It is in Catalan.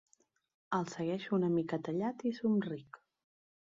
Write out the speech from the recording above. El segueixo una mica tallat i somric.